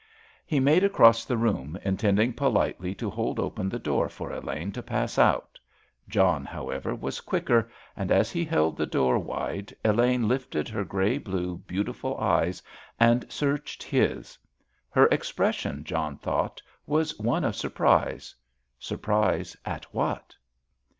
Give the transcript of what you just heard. He made across the room, intending politely to hold open the door for Elaine to pass out. John, however, was quicker, and as he held the door wide Elaine lifted her grey blue, beautiful eyes and searched his. Her expression, John thought, was one of surprise—surprise at what?